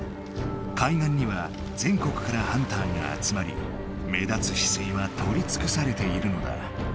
海岸には全国からハンターが集まり目立つヒスイは採りつくされているのだ。